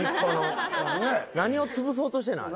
何を潰そうとしてんの？